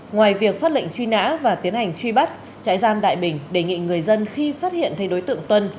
ngoài việc phát lệnh truy nã và tiến hành truy bắt trại giam đại bình đề nghị người dân khi phát hiện thấy đối tượng tuân